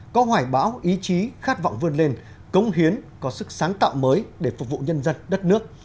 có hoài bão ý chí khát vọng vươn lên cống hiến có sức sáng tạo mới để phục vụ nhân dân đất nước